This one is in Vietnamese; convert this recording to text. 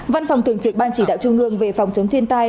văn phòng thường trực ban chỉ đạo chương ngương về phòng chống thiên tai